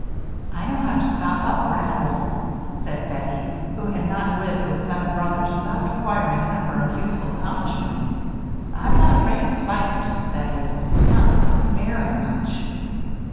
"I know how to stop up rat holes," said Bettie, who had not lived with seven brothers without acquiring a number of useful accomplishments. "I'm not afraid of spiders that is, not so very much."